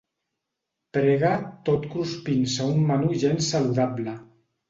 Prega tot cruspint-se un menú gens saludable.